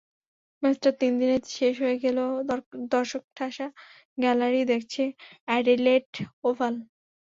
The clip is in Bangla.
ম্যাচটা তিন দিনে শেষ হয়ে গেলেও দর্শকঠাসা গ্যালারিই দেখেছে অ্যাডিলেড ওভাল।